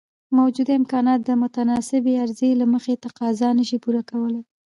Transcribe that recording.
موجوده امکانات د متناسبې عرضې له مخې تقاضا نشي پوره کولای.